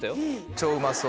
超うまそう。